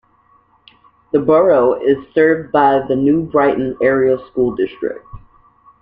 The borough is served by the New Brighton Area School District.